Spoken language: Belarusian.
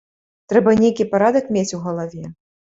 Трэба нейкі парадак мець у галаве!